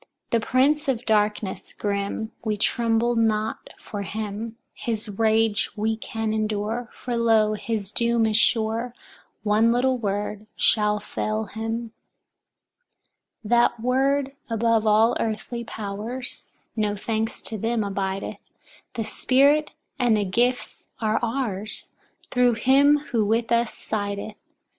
The Prince of Darkness grim, we tremble not for him; his rage we can endure, for lo, his doom is sure; one little word shall fell him. 4. That word above all earthly powers, no thanks to them, abideth; the Spirit and the gifts are ours, thru him who with us sideth.